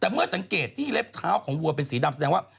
แต่เมื่อสังเกตที่เล็บเท้าของวัวเป็นสีดำแสดงว่า